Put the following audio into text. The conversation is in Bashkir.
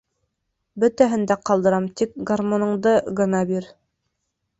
Бөтәһен дә ҡалдырам, тик гармуныңды гына бир!